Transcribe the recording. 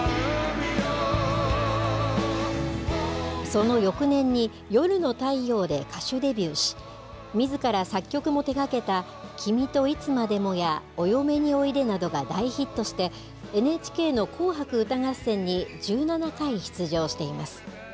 その翌年に、夜の太陽で歌手デビューし、みずから作曲も手がけた君といつまでもや、お嫁においでなどが大ヒットして、ＮＨＫの紅白歌合戦に１７回出場しています。